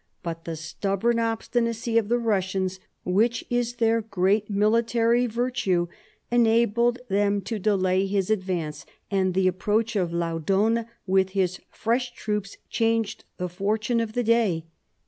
But the stubborn obstinacy of the Eussians, which is their great military virtue, enabled them to delay his advance, and the approach of Laudon with his fresh troops changed the fortune of the day.